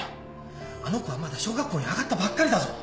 あの子はまだ小学校に上がったばっかりだぞ。